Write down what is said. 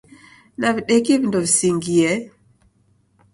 Nawidekie vindo visingie